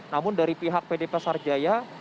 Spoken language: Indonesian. namun dari pihak pd pasar jaya